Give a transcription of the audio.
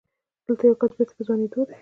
دلته يو کس بېرته په ځوانېدو دی.